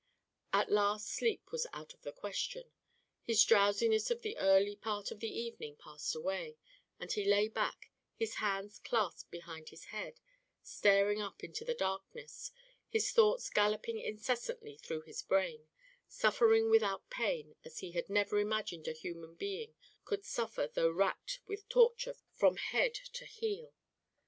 At last sleep was out of the question; his drowsiness of the early part of the evening passed away, and he lay back, his hands clasped behind his head, staring up into the darkness, his thoughts galloping incessantly through his brain, suffering without pain as he had never imagined a human being could suffer though racked with torture from head to heel.